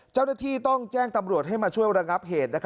เจ้าหน้าที่ต้องแจ้งตำรวจให้มาช่วยระงับเหตุ